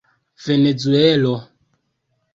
venezuelo